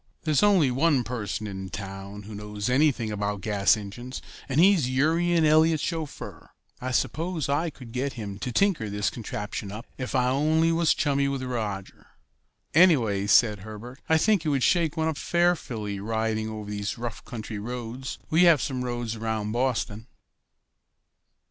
There's only one person in town who knows anything about gas engines, and he's Urian Eliot's chauffeur. I suppose I could get him to tinker this contraption up if I only was chummy with Roger." "Anyway," said Herbert, "I should think it would shake one up fearfully riding over these rough country roads. We have some roads around Boston."